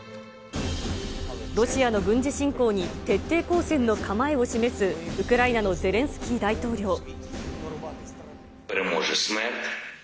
ロシアの軍事侵攻に徹底抗戦の構えを示すウクライナのゼレンスキー大統領。